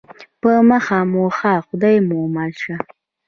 په مخه مو ښه خدای مو مل شه